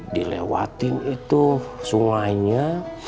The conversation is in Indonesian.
dilewatin itu sungainya